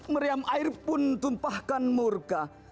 meriam air pun tumpahkan murka